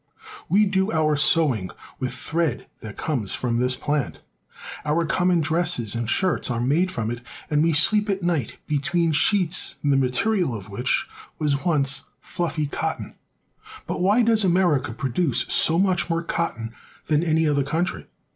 We do our sewing with thread that comes from this plant. Our common dresses and no THE SOUTH. shirts are made from it, and we sleep at night between sheets the material of which was once fluffy cotton. But why does America produce so much more cotton than any other country?